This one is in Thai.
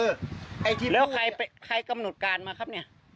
แล้วใครกำหนดการมาครับเนี่ย